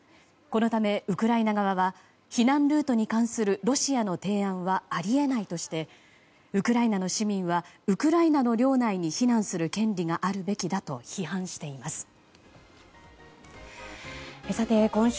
このためウクライナ側は避難ルートに関するロシアの提案はあり得ないとしてウクライナの市民はウクライナの領内に避難する権利があるべきだと批判しています。